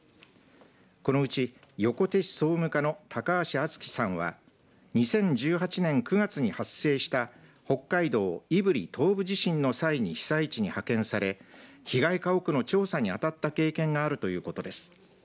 このうち横手市総務課の高橋充希さんは２０１８年９月に発生した北海道胆振東部地震の際に被災地に派遣され被害家屋の調査に当たった経験があるということです。